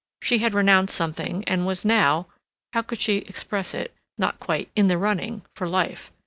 She had renounced something and was now—how could she express it?—not quite "in the running" for life.